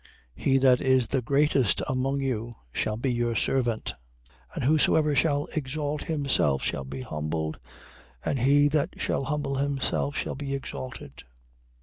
23:11. He that is the greatest among you shall be your servant. 23:12. And whosoever shall exalt himself shall be humbled: and he that shall humble himself shall be exalted.